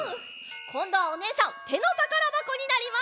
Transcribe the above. こんどはおねえさんてのたからばこになります。